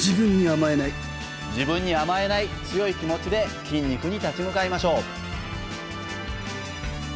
自分に甘えない強い気持ちで筋肉に立ち向かいましょう。